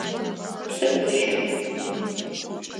Пшӏыкӏущы.